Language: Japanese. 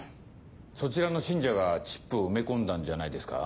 そちらの信者がチップを埋め込んだんじゃないですか？